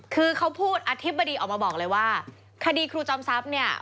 คือเขาพูดอธิบดีออกมาบอกเลยว่าคดีครูจอมทรัพย์เนี่ย